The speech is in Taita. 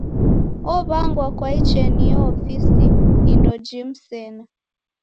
Ow'angwa kwa icheniyo ofisi indo jimu sena.